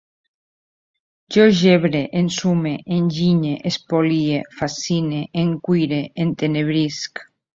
Jo gebre, ensume, enginye, espolie, fascine, encuire, entenebrisc